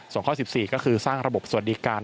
ส่วนข้อ๑๔ก็คือสร้างระบบสวัสดิการ